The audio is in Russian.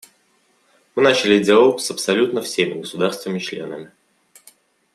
Мы начали диалог с абсолютно всеми государствами-членами.